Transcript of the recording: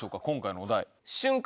今回のお題。